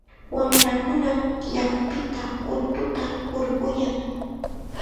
Wamrakunam yakupita ultuta hurquyan.